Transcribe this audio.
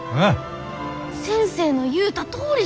先生の言うたとおりじゃ！